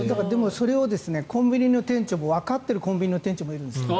それをコンビニの店長もわかっている店長もあるんです。